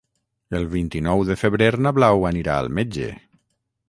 El vint-i-nou de febrer na Blau anirà al metge.